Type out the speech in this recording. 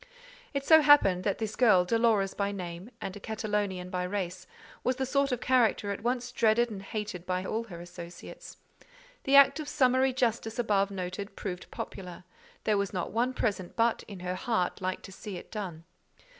It so happened that this girl, Dolores by name, and a Catalonian by race, was the sort of character at once dreaded and hated by all her associates; the act of summary justice above noted proved popular: there was not one present but, in her heart, liked to see it done.